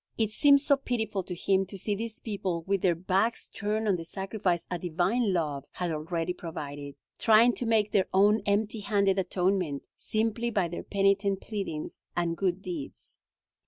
It seemed so pitiful to him to see these people with their backs turned on the sacrifice a divine love had already provided, trying to make their own empty handed atonement, simply by their penitent pleadings and good deeds.